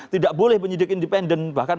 tidak boleh penyidik independen bahkan